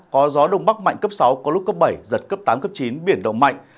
có gió đông bắc mạnh cấp sáu có lúc cấp bảy giật cấp tám cấp chín biển động mạnh